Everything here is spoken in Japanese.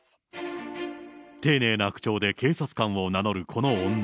丁寧な口調で警察官を名乗るこの女。